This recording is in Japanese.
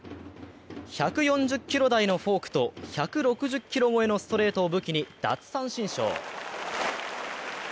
１４０キロ台のフォークと１６０キロ超えのストレートを武器に奪三振ショー。